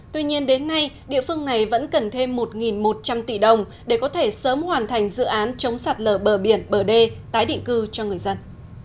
tuy nhiên đến nay địa phương này vẫn cần thêm một một trăm linh tỷ đồng để có thể sớm hoàn thành dự án chống sạt lở bờ biển bờ đê tái định cư cho người dân